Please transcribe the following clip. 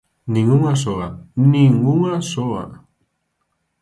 Nin unha soa, ¡nin unha soa!